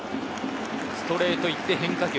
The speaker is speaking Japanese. ストレートいって変化球。